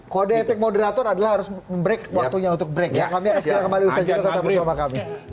kode etik moderator adalah harus mem break waktunya untuk break ya